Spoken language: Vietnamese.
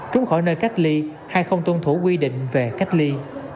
trúng khỏi nơi cách ly hay không tôn thủ quy định về cách ly